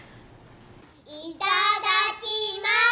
いただきます。